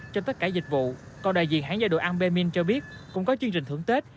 cho tất cả dịch vụ còn đại diện hãng gia đội an bê minh cho biết cũng có chương trình thưởng tết